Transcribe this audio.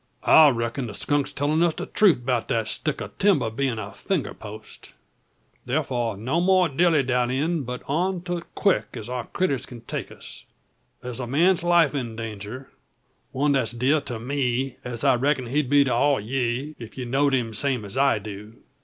"I reck'n the skunk's tellin' us the truth, 'bout that stick o' timber being a finger post. Tharfor, no more dilly dallying but on to't quick as our critters can take us. Thar's a man's life in danger; one that's dear to me, as I reckon he'd be to all o' ye, ef ye knowed him, same's I do.